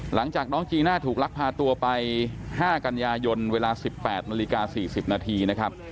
หลังจากน้องจีน่าถูกรักภาตัวไปห้ากันยายนเวลาสิบแปดนาฬิกาสี่สิบนาทีนะครับ